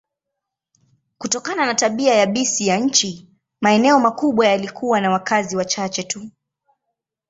Kutokana na tabia yabisi ya nchi, maeneo makubwa yalikuwa na wakazi wachache tu.